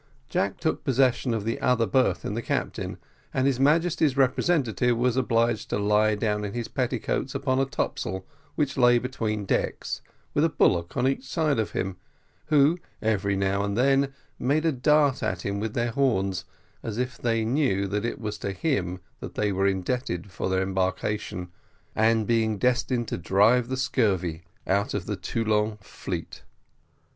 Jack took possession of the other berth in the cabin, and his Majesty's representative was obliged to lie down in his petticoats upon a topsail which lay between decks, with a bullock on each side of him, who every now and then made a dart at him with their horns, as if they knew that it was to him that they were indebted for their embarkation and being destined to drive the scurvy out of the Toulon fleet.